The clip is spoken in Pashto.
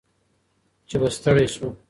چي به ستړی سو